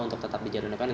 untuk tetap di jalur depan